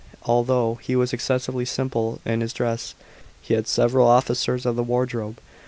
Although he was excessively simple in his dress, he had several officers of the wardrobe.